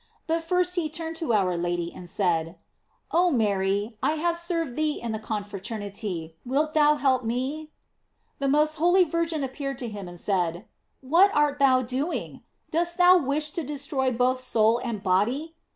But first he turned to our Lady and said: "Oh Mary, I have served thee in the confraternity, wilt thou help me ?" The most holy Virgin ap peared to him and said: "What art thou doing? Dost thou wish to destroy both soul and body